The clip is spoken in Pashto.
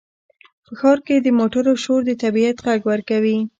په ښار کې د موټرو شور د طبیعت غږ ورکوي.